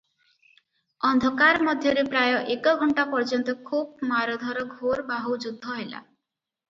ଅନ୍ଧକାର ମଧ୍ୟରେ ପ୍ରାୟ ଏକ ଘଣ୍ଟା ପର୍ଯ୍ୟନ୍ତ ଖୁବ ମାରଧର ଘୋର ବାହୁଯୁଦ୍ଧ ହେଲା ।